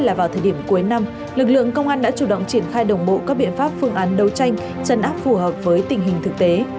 là vào thời điểm cuối năm lực lượng công an đã chủ động triển khai đồng bộ các biện pháp phương án đấu tranh chấn áp phù hợp với tình hình thực tế